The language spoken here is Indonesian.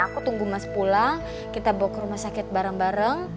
aku tunggu mas pulang kita bawa ke rumah sakit bareng bareng